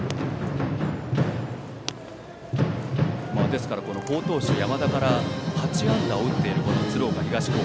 ですから、好投手、山田から８安打を打っている鶴岡東高校。